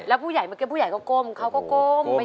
แล้วผู้ใหญ่เมื่อกี้ผู้ใหญ่ก็ก้มเขาก็ก้มไป